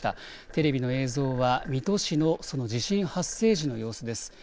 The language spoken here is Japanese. テレビの映像は水戸市の地震発生時の様子です。